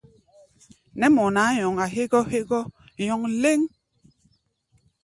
Nɛ́ mɔ nʼaá nyɔŋa hégɔ́ hégɔ́ nyɔ́ŋ léŋ.